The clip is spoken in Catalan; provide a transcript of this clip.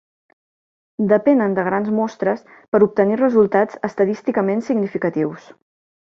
Depenen de grans mostres per obtenir resultats estadísticament significatius.